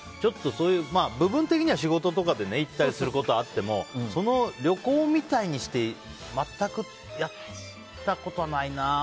部分的には仕事とかで行ったりすることあっても旅行みたいにして全くやったことないな。